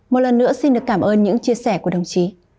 một lần nữa xin được cảm ơn những chia sẻ của đồng chí